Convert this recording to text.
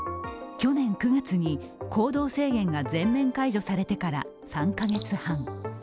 去年９月に行動制限が全面解除されてから３カ月半。